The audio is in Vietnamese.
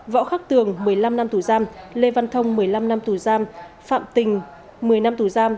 võ khắc tường một mươi năm năm tù giam lê văn thông một mươi năm năm tù giam phạm tình một mươi năm tù giam